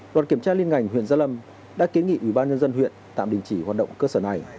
đoàn kiểm tra liên ngành huyện gia lâm đã kế nghị ủy ban nhân dân huyện tạm đình chỉ hoạt động cơ sở này